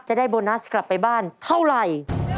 จะได้โบนัสกลับไปบ้านเท่าไหร่